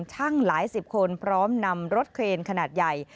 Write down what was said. หลายสิบคนพร้อมนำรถเครนขนาดใหญ่